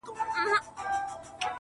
• د ورور و غاړي ته چاړه دي کړمه..